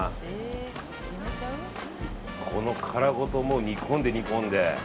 この殻ごと煮込んで煮込んで。